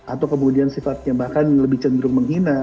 atau kemudian sifatnya bahkan lebih cenderung menghina